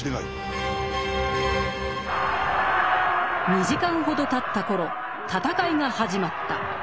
２時間ほどたった頃戦いが始まった。